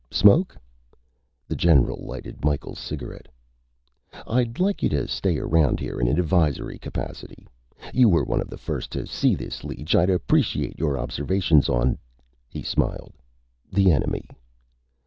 Smoke?" The general lighted Micheals' cigarette. "I'd like you to stay around here in an advisory capacity. You were one of the first to see this leech. I'd appreciate your observations on " he smiled "the enemy."